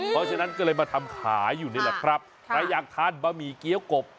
เพราะฉะนั้นก็เลยมาทำขายอยู่นี่แหละครับใครอยากทานบะหมี่เกี้ยวกบ